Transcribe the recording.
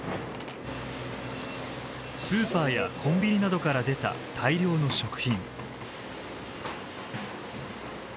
スーパーやコンビニなどから出た大量の食品。